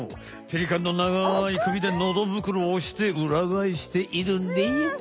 ペリカンのながいくびでのど袋をおしてうらがえしているんでよっ！